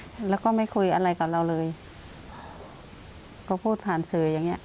แล้วก็ไม่คุยอะไรกับเราเลยก็พูดผ่านสื่ออย่างเงี้